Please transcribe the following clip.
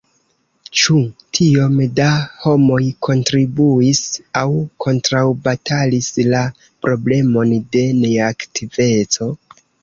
Ĉu tiom da homoj kontribuis aŭ kontraŭbatalis la problemon de neaktiveco?